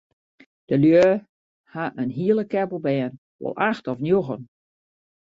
Dy lju ha in hiele keppel bern, wol acht of njoggen.